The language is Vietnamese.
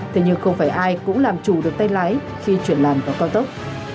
thế nhưng không phải ai cũng làm chủ được tay lái khi chuyển làn vào cao tốc